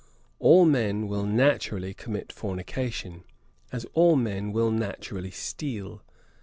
All men will naturally commit fornication, as all men will naturally steal.